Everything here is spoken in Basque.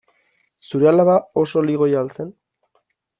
Zure alaba oso ligoia al zen?